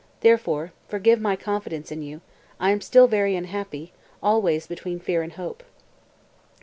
Therefore, forgive my confidence in you, I am still very unhappy, always between fear and hope."